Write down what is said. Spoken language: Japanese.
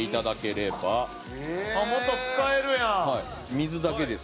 水だけです。